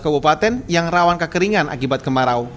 lima belas kabupaten yang rawan kekeringan akibat kemarau